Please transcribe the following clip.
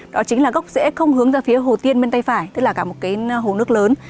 đó chính là gốc rễ không hướng ra phía hồ tiên bên tay phải tức là cả một cái hồ nước lớn